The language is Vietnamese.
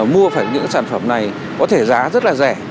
mua phải những sản phẩm này có thể giá rất là rẻ